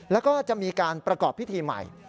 แล้วก็จะมีการประกอบพิธีใหม่